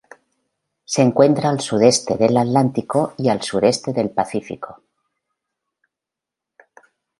Se encuentra al sudeste del Atlántico y el sureste del Pacífico.